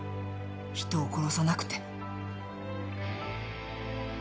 人を殺さなくて。